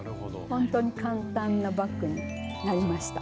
ほんとに簡単なバッグになりました。